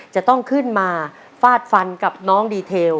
จะต้องขึ้นมาฟาดฟันกับน้องดีเทล